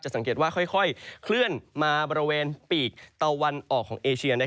สังเกตว่าค่อยเคลื่อนมาบริเวณปีกตะวันออกของเอเชีย